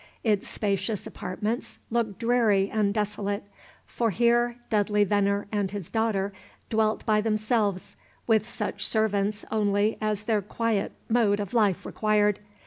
Its spacious apartments looked dreary and desolate; for here Dudley Venner and his daughter dwelt by themselves, with such servants only as their quiet mode of life required.